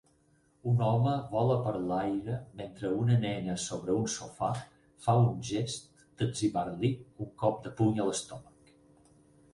Un home vola per l'aire mentre una nena sobre un sofà fa un gest d'etzibar-li un cop de puny a l'estómac